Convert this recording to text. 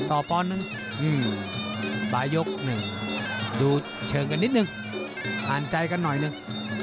ต่อปอนด์หนึ่งหื้มบายกหนึ่งดูเชิงกันนิดหนึ่งหารใจกันน๋อยหนึ่ง